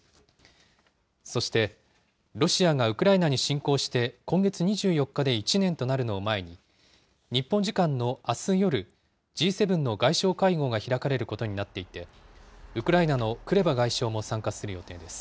そして、ロシアがウクライナに侵攻して今月２４日で１年となるのを前に、日本時間のあす夜、Ｇ７の外相会合が開かれることになっていて、ウクライナのクレバ外相も参加する予定です。